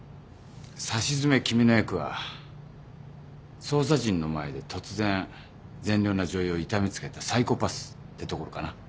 さしずめ君の役は捜査陣の前で突然善良な女医を痛めつけたサイコパスってところかな。